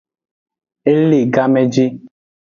E le game ji.